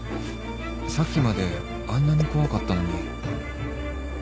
さっきまであんなに怖かったのに